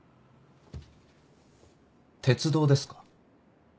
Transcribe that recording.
鉄道ですか。